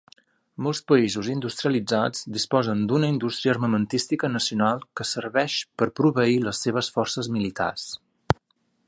Molts països industrialitzats disposen d'una indústria armamentística nacional que servei per proveir les seves forces militars.